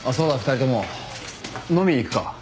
２人とも飲みに行くか？